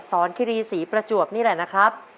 สอนครีสีประจวกนี่แหละนะครับ